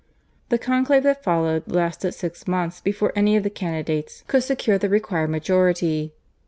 The conclave that followed lasted six months before any of the candidates could secure the required majority.